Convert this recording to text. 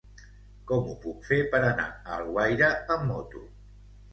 Com ho puc fer per anar a Alguaire amb moto?